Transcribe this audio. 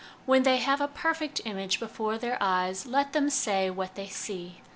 When they have a perfect image before their eyes, let them say what they see.